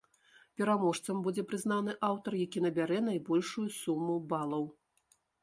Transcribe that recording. Пераможцам будзе прызнаны аўтар, які набярэ найбольшую суму балаў.